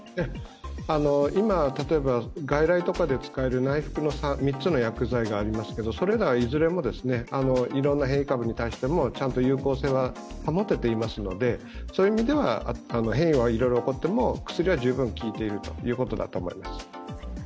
今、例えば外来とかで使える内服の３つの薬剤がありますけどそれらはいずれもいろんな変異株に対してもちゃんと有効性は保てていますのでそういう意味では変異はいろいろ起こっても薬は十分効いているということだと思います。